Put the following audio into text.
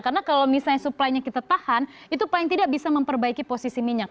karena kalau misalnya supplynya kita tahan itu paling tidak bisa memperbaiki posisi minyak